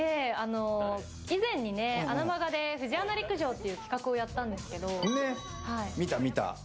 以前にアナマガでフジアナ陸上という企画をやったんですけど見た見た。